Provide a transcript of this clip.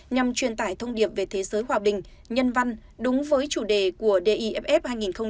nhằm truyền tải thông điệp về thế giới hòa bình nhân văn đúng với chủ đề của def hai nghìn hai mươi